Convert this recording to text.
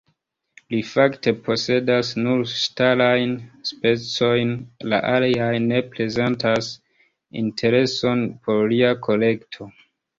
Li fakte posedas nur ŝtalajn specojn, la aliaj ne prezentas intereson por lia kolekto.